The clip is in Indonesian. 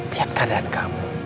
liat keadaan kamu